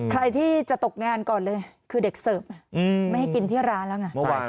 ใครที่จะตกงานก่อนเลยคือเด็กเสิร์ฟไม่ให้กินที่ร้านแล้วไง